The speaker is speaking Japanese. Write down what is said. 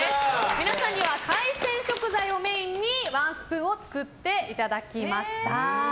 皆さんには海鮮食材をメインにワンスプーンを作っていただきました。